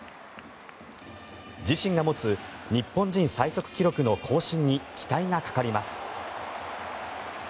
自身が持つ日本人最速記録の更新に期待がかかります。